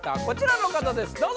こちらの方です